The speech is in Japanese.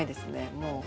もう。